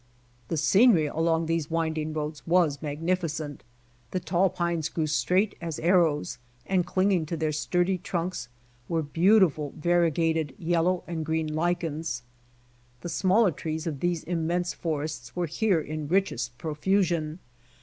The scenery along these winding roads was mag nificent. The tall pines grew straight as arrows and clinging to their sturdy trunks were beautiful varie gated yellow and green lichens. The smaller trees of these immense forests were here in richest profusion.